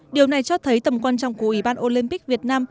điều này cho thấy tầm quan trọng của ủy ban olympic việt nam